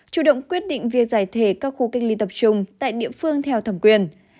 chủ động quyết định việc giải thể các khu cách ly tập trung tại địa phương theo thẩm quyền